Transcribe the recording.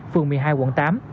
phường một mươi hai quận tám